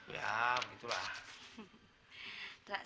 iya begitu lah